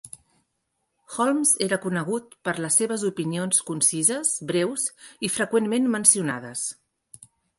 Holmes era conegut per les seves opinions concises, breus i freqüentment mencionades.